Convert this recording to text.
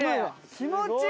気持ちいい！